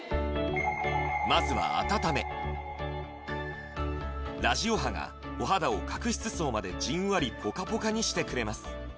まずは温めラジオ波がお肌を角質層までじんわりポカポカにしてくれます